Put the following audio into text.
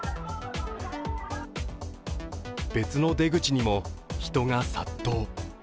別の出口にも人が殺到。